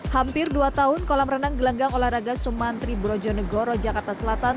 hai hampir dua tahun kolam renang gelenggang olahraga sumantri brojonegoro jakarta selatan